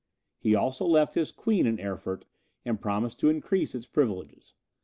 He also left his queen in Erfurt, and promised to increase its privileges.